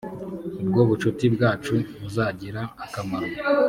ubwo bucuti bwacu buzagira akamaro